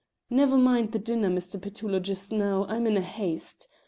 Never mind the dinner, Mr. Petullo, just now, I'm in a haste.